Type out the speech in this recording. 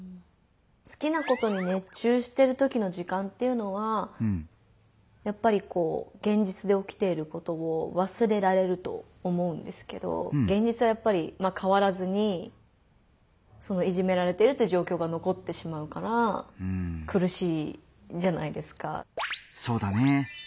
好きなことに熱中してるときの時間っていうのはやっぱりこう現実でおきていることを忘れられると思うんですけど現実はやっぱりまあ変わらずにそのいじめられてるっていう状況がのこってしまうからくるしいじゃないですか。